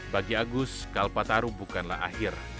bagi agus kalpataru bukanlah akhir